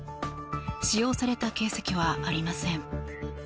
使用されていた形跡はありません。